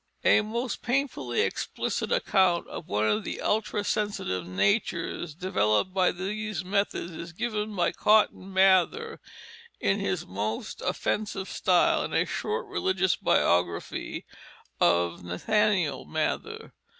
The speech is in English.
A most painfully explicit account of one of the ultra sensitive natures developed by these methods is given by Cotton Mather in his most offensive style in a short religious biography of Nathaniel Mather.